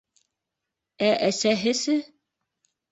Ә әсәһесе?